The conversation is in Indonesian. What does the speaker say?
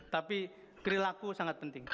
tapi perilaku sangat penting